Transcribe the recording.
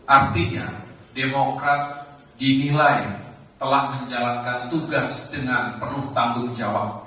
artinya demokrat dinilai telah menjalankan tugas dengan penuh tanggung jawab